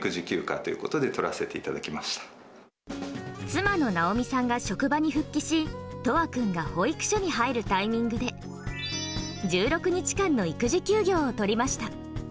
妻の直美さんが職場に復帰し詠羽君が保育所に入るタイミングで１６日間の育児休業を取りました。